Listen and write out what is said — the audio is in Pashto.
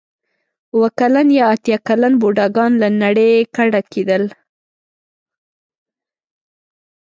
اوه کلن یا اتیا کلن بوډاګان له نړۍ کډه کېدل.